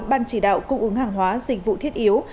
ban chỉ đạo cung ứng hàng hóa dịch vụ thiết yếu